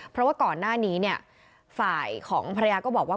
เพราะว่าก่อนหน้านี้เนี่ยฝ่ายของภรรยาก็บอกว่า